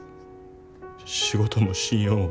仕事も信用も。